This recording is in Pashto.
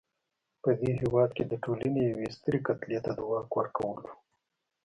په دې هېواد کې د ټولنې یوې سترې کتلې ته د واک ورکولو.